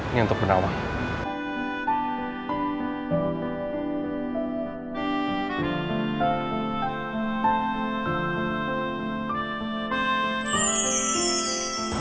ini untuk benar benar